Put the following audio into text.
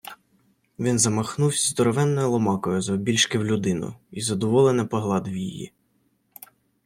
Він замахнувсь здоровенною ломакою, завбільшки в людину, й задоволене погладив її.